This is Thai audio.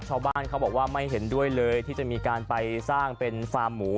ชาวบ้านเขาบอกว่าไม่เห็นด้วยเลยที่จะมีการไปสร้างเป็นฟาร์มหมู